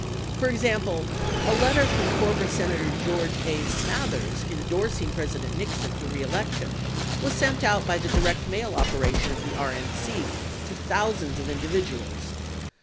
For example, a letter from former Senator George A. Smathers endorsing President Nixon for re election was sent out by the direct mail operation of the RNC to thousands of individuals.